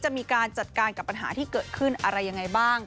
จะมีการจัดการกับปัญหาที่เกิดขึ้นอะไรยังไงบ้าง